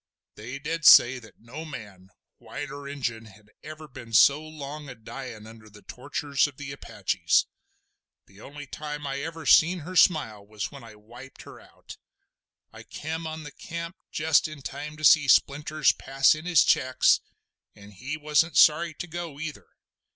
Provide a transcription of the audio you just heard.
They did say that no man, white or Injun, had ever been so long a dying under the tortures of the Apaches. The only time I ever see her smile was when I wiped her out. I kem on the camp just in time to see Splinters pass in his checks, and he wasn't sorry to go either.